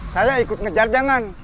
saya ikut ngejar jangan